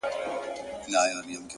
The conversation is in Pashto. عجیبه ده لېونی آمر مي وایي-